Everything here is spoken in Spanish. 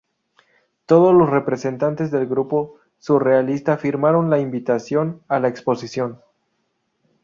Todos los representantes del grupo surrealista firmaron la invitación a la exposición.